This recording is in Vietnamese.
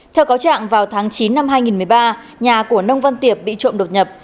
theo cáo trạng vào tháng chín năm hai nghìn một mươi ba nhà của nông văn tiệp bị trộm đột nhập